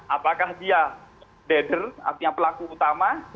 apakah dia dader artinya pelaku utama